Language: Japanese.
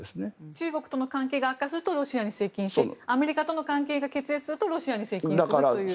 中国との関係が悪化するとロシアに接近しアメリカとの交渉が決裂するとロシアに接近するという。